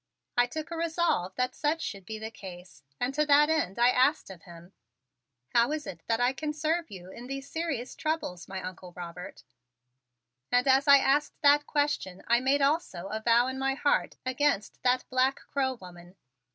I took a resolve that such should be the case and to that end I asked of him: "How is it that I can serve you in these serious troubles, my Uncle Robert?" And as I asked that question I made also a vow in my heart against that black crow woman.